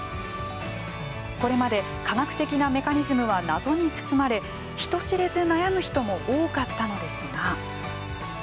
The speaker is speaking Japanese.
これまで科学的なメカニズムは謎に包まれ、人知れず悩む人も多かったのですが。